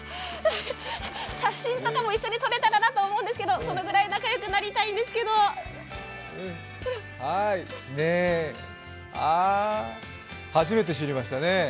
写真とかも一緒に撮れたらなと思うんですけど、そのぐらい仲良くなりたいんですけど初めて知りましたね。